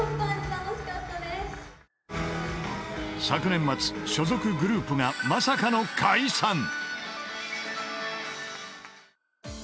［昨年末所属グループがまさかの解散］